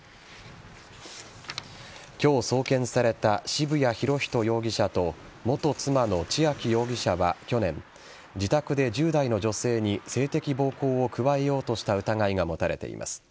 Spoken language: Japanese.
今日送検された渋谷博仁容疑者と元妻の千秋容疑者は去年自宅で１０代の女性に性的暴行を加えようとした疑いが持たれています。